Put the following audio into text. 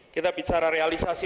kita bicara realisasi